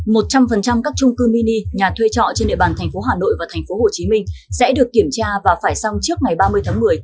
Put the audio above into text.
một trăm phần trăm các trung cư mini nhà thuê trọ trên địa bàn thành phố hà nội và thành phố hồ chí minh sẽ được kiểm tra và phải xong trước ngày ba mươi tháng một mươi